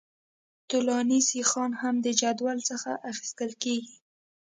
طولاني سیخان هم د جدول څخه اخیستل کیږي